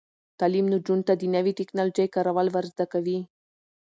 تعلیم نجونو ته د نوي ټیکنالوژۍ کارول ور زده کوي.